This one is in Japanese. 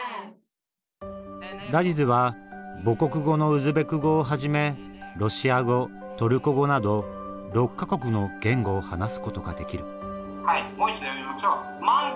ラジズは母国語のウズベク語をはじめロシア語トルコ語など６か国の言語を話すことができる「はいもう一度読みましょう。